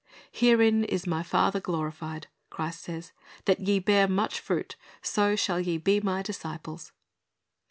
"Herein is My Father glorified," Christ says, "that ye bear much fruit; so shall ye be My disciples."